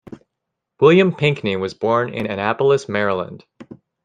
William Pinkney was born in Annapolis, Maryland.